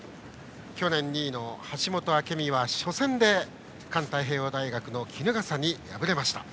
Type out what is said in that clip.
去年２位の橋本朱未は初戦で環太平洋大学の衣笠に敗れました。